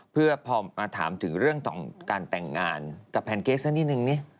เพื่อพอมาถามถึงเรื่องของการแต่งงานกับแพนเกสสักนิดนึงนี่